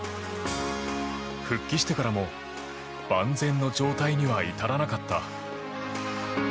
復帰してからも万全の状態には至らなかった。